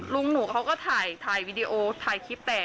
ลุงหนูเขาก็ถ่ายวีดีโอถ่ายคลิปแต่